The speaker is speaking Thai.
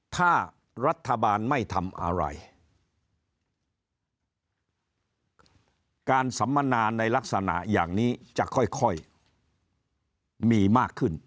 ถ้ารัฐบาลไม่ทำอะไรการสัมมนาในลักษณะอย่างนี้จะค่อยมีมากขึ้น